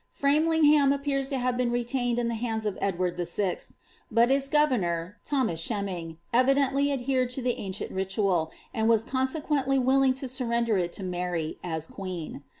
Framlingham appears to have been retained in the Idward VI. ; but its governor, Thomas Sheming, evidently ad lie ancient ritual, and was consequently willing to surrender , as queen.